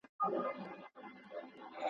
په کور کې پښتو ويل پکار دي.